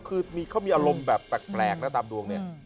คือเขามีอารมณ์แบบแปลกนะตามดวงเนี่ย